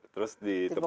terus di tempat